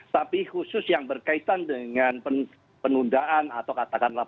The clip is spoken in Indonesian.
tapi khusus yang berkaitan dengan penundaan atau katakanlah